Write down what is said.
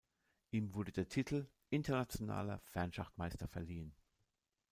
Ihm wurde der Titel "Internationaler Fernschachmeister" verliehen.